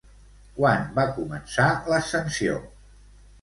Quan va començar l'ascensió?